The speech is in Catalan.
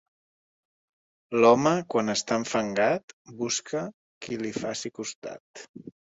L'home, quan està enfangat, busca qui li faci costat.